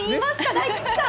大吉さん。